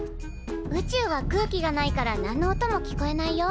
宇宙は空気がないから何の音も聞こえないよ。